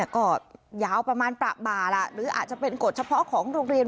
ก็ยาวประมาณประบาล่ะหรืออาจจะเป็นกฎเฉพาะของโรงเรียน